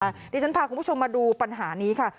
เดี๋ยวฉันพาคุณผู้ชมมาดูปัญหานี้ค่ะ